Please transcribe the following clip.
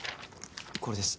これです。